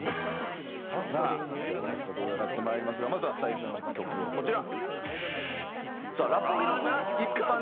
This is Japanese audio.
さあでは早速伺って参りますがまずは最初の曲はこちら。